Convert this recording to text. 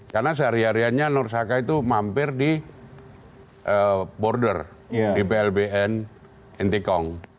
karena sehari hariannya nur saka itu mampir di border di plbn intikong